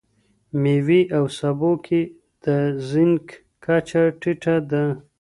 میوې او سبو کې د زینک کچه ټيټه ده.